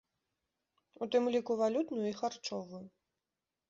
У тым ліку валютную і харчовую.